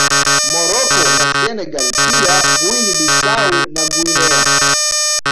Morocco na Senegal pia Guinea Bissau na Guinea